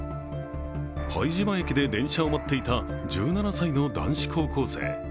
拝島駅で電車を待っていた１７歳の男子高校生。